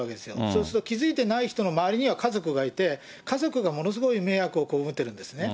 そうすると気付けてない人の周りには家族がいて、家族がものすごい迷惑を被っているんですね。